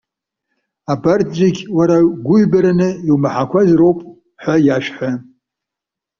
Абарҭ зегьы уара гәыҩбараны иумақәаз роуп!- ҳәа иашәҳәа.